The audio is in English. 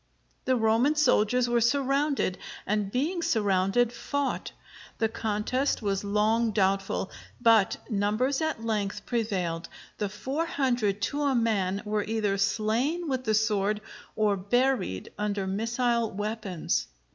The Roman soldiers were surrounded, and being surrounded, fought; the contest was long doubtful, but numbers at length prevailed; the four hundred, to a man, were either slain with the sword or buried under missile weapons.